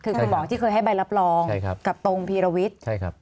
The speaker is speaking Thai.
คือคุณหมอที่เคยให้ใบรับรองกับตรงพีรวิทย์ใช่ครับ